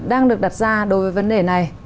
đang được đặt ra đối với vấn đề này